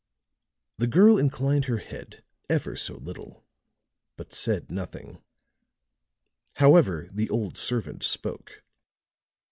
The girl inclined her head ever so little, but said nothing. However, the old servant spoke.